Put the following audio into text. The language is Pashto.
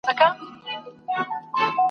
چي تر شا وه پاته سوي دوه ملګري !.